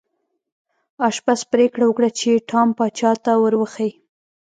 آشپز پریکړه وکړه چې ټام پاچا ته ور وښيي.